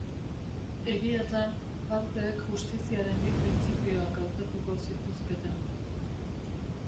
Egiatan, parteek justiziaren bi printzipioak hautatuko zituzketen.